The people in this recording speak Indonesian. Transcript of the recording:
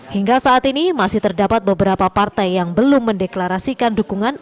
hingga saat ini masih terdapat beberapa partai yang belum mendeklarasikan dukungan